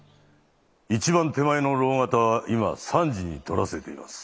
一番手前の蝋型は今三次に取らせています。